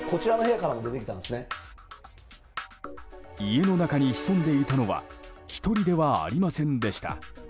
家の中に潜んでいたのは１人ではありませんでした。